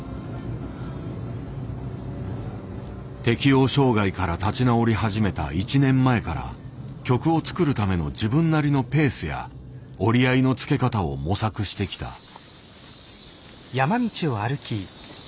適応障害から立ち直り始めた１年前から曲を作るための自分なりのペースや折り合いのつけ方を模索してきた。